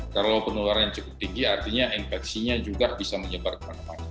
kalau penularannya cukup tinggi artinya infeksinya juga bisa menyebar kemana mana